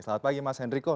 selamat pagi mas hendriko